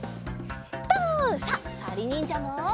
とう！さあさりにんじゃも！